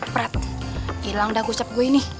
prat hilang dah kocap gue ini